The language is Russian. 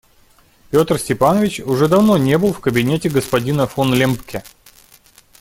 Петр Степанович уже давно не был в кабинете господина фон Лембке.